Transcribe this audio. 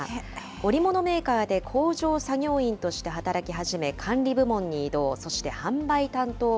織物メーカーで工場作業員として働き始め、管理部門に異動。